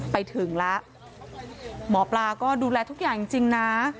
ไปถึงแล้วหมอปลาก็ดูแลทุกอย่างจริงนะ